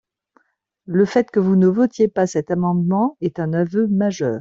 Le fait que vous ne votiez pas cet amendement est un aveu majeur.